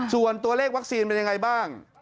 ส่วนตัวเลขวัคซีนเป็นยังไงบ้าง